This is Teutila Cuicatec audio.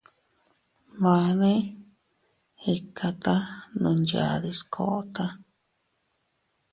Mane iʼkata nunyadis kota.